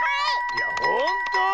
いやほんとう？